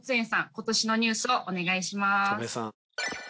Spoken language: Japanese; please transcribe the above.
今年のニュースをお願いします。